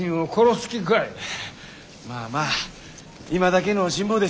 まあまあ今だけの辛抱ですき。